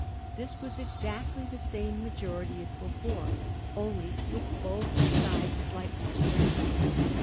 This was exactly the same majority as before, only with both sides slightly strengthened.